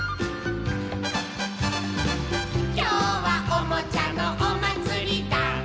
「きょうはおもちゃのおまつりだ」